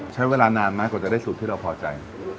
ใช้เวลานานไหมกว่าจะได้สูตรที่เราพอใจ